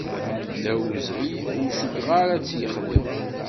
D awezɣi, ur cukkeɣ ara a tt-yexdem.